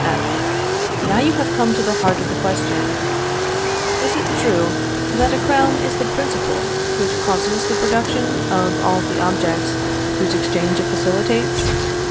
F. Now you have come to the heart of the question. Is it true that a crown is the principle which causes the production of all the objects whose exchange it facilitates?